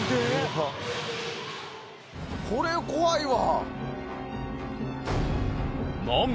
これ怖いわ。